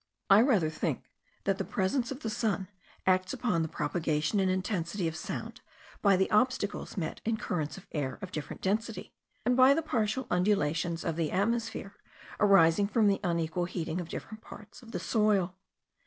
I rather think that the presence of the sun acts upon the propagation and intensity of sound by the obstacles met in currents of air of different density, and by the partial undulations of the atmosphere arising from the unequal heating of different parts of the soil.